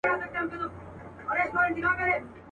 زه کرۍ ورځ په درنو بارونو بار یم.